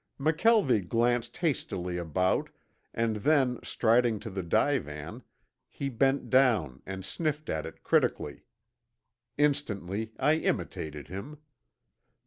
McKelvie glanced hastily about and then striding to the divan he bent down and sniffed at it critically. Instantly I imitated him.